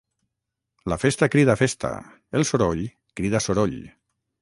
La festa crida festa, el soroll crida soroll